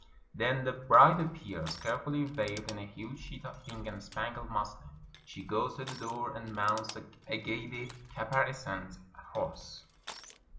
Then the bride appears, carefully veiled in a huge sheet of pink and spangled muslin. She goes to the door and mounts a gayly caparisoned horse.